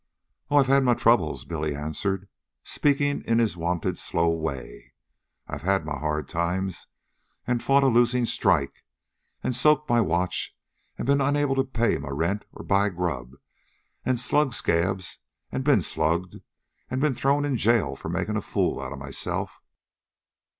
"Oh, I've had my troubles," Billy answered, speaking in his wonted slow way. "I've had my hard times, an' fought a losin' strike, an' soaked my watch, an' ben unable to pay my rent or buy grub, an' slugged scabs, an' ben slugged, and ben thrown into jail for makin' a fool of myself.